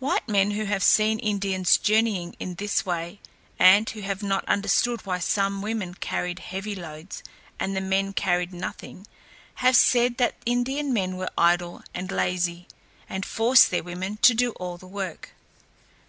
White men who have seen Indians journeying in this way, and who have not understood why some women carried heavy loads and the men carried nothing, have said that Indian men were idle and lazy, and forced their women to do all the work.